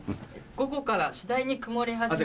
「午後から次第に曇り始め」。